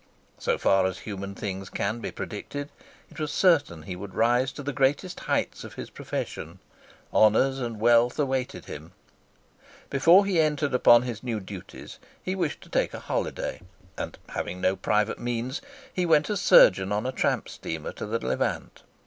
So far as human things can be predicted, it was certain that he would rise to the greatest heights of his profession. Honours and wealth awaited him. Before he entered upon his new duties he wished to take a holiday, and, having no private means, he went as surgeon on a tramp steamer to the Levant.